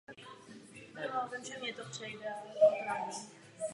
Už po třech letech byl ale ze zdravotních důvodů z vězení propuštěn.